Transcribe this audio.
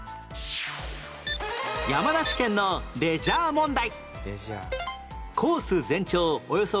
山梨県のレジャー問題